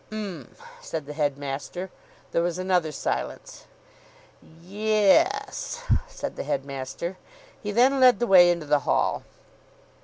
"'M!" said the headmaster. There was another silence. "Ye e s!" said the headmaster. He then led the way into the Hall.